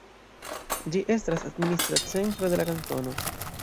Ĝi estas administra centro de la kantono.